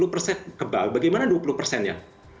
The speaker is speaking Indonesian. lima puluh persen kebal bagaimana dua puluh persennya